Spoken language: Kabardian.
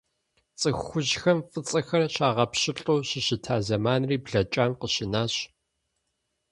ЦӀыху хужьхэм фӀыцӀэхэр щагъэпщылӀу щыщыта зэманри блэкӀам къыщынащ.